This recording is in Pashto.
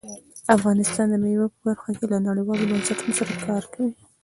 افغانستان د مېوو په برخه کې له نړیوالو بنسټونو سره کار کوي.